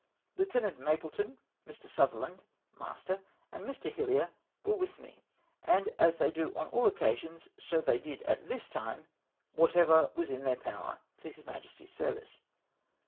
Lieutenant Mapleton, Mr. Suther land, master, and Mr. Hillier were with me, and as they do on all occasions so they did at this time whatever was in their jjower for his Majesty's service.